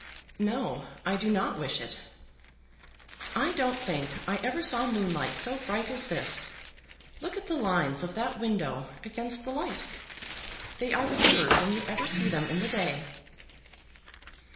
"No; I do not wish it. I don't think I ever saw moonlight so bright as this. Look at the lines of that window against the light. They are clearer than you ever see them in the day."